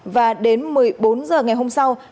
và đến một mươi bốn h ngày hôm sau